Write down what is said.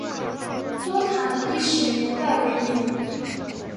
东塔的历史年代为明。